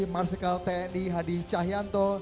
marsikal tni hadi cahyanto